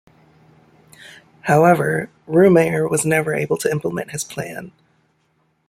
However, Ruemayr was never able to implement his plan.